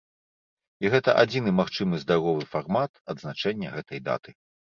І гэта адзіны магчымы здаровы фармат адзначэння гэтай даты.